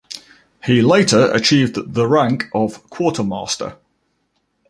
He later achieved the rank of quartermaster.